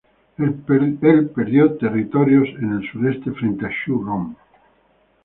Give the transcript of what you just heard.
Él perdió territorios en el sureste frente a Xu Rong.